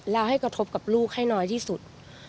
แล้วให้กระทบกับลูกให้น้อยที่สุด